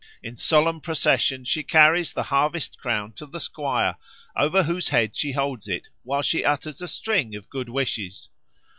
In solemn procession she carries the harvest crown to the squire, over whose head she holds it while she utters a string of good wishes.